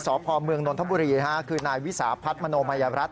สพนทบุรีฮะคือนายวิสาผัฒน์มโนมัยรัฐ